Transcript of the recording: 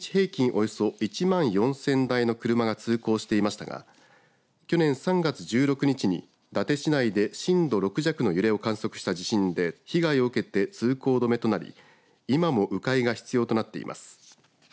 およそ１万４０００台の車が通行していましたが去年３月１６日に伊達市内で震度６弱の揺れを観測した地震で被害を受けて通行止めとなり今もう回が必要となっています。